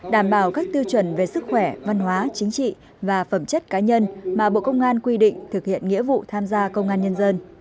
đảm bảo các tiêu chuẩn về sức khỏe văn hóa chính trị và phẩm chất cá nhân mà bộ công an quy định thực hiện nghĩa vụ tham gia công an nhân dân